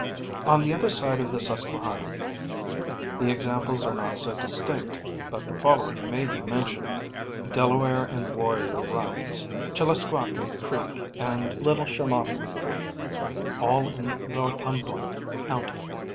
On the other side of the Susquehanna, the examples are not so distinct, but the following may be mentioned : Delaware and Warrior runs, Chil lisquaque creek and Little Shamokin creek, all in Northumberland county.